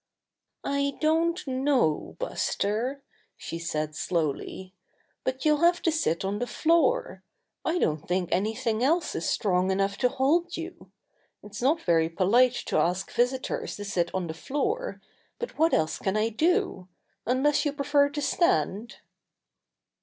"I don't know, Buster," she said slowly, "but you'll have to sit on the floor. I don't think anything else is strong enough to hold you. It's not very polite to ask visitors to sit on the floor, but what else can I do, unless you prefer to stand?"